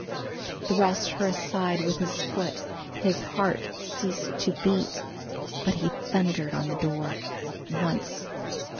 He thrust her aside with his foot, his heart ceased to beat, but he thundered on the door. Once.